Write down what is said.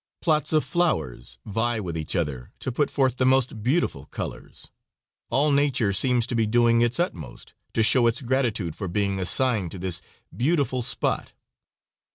Plots of flowers vie with each other to put forth the most beautiful colors; all nature seems to be doing its utmost to show its gratitude for being assigned to this beautiful spot.